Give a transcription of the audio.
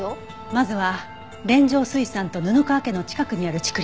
まずは連城水産と布川家の近くにある竹林。